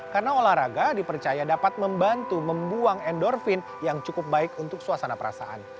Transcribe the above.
karena olahraga dipercaya dapat membantu membuang endorfin yang cukup baik untuk suasana perasaan